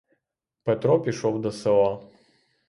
Петро пішов до села.